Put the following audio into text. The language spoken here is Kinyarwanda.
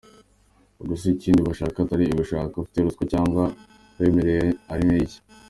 Ubwo se ikindi bashaka atari ugushaka ufite ruswa cyangwa uwemerewe ari iki?.